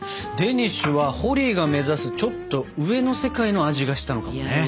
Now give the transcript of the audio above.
デニッシュはホリーが目指すちょっと上の世界の味がしたのかもね。